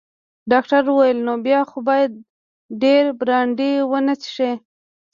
ډاکټر وویل: نو بیا خو باید ډیر برانډي ونه څښې.